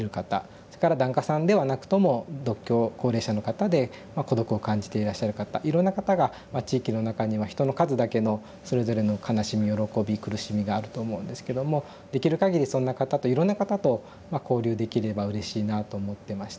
それから檀家さんではなくとも独居高齢者の方で孤独を感じていらっしゃる方いろんな方が地域の中には人の数だけのそれぞれの悲しみ喜び苦しみがあると思うんですけどもできるかぎりそんな方といろんな方と交流できればうれしいなと思ってまして。